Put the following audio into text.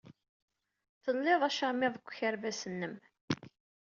Tlid acamiḍ deg ukerbas-nnem.